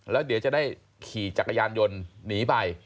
แล้วเดี๋ยวจะได้ขี่จักรยานยนต์หนีไป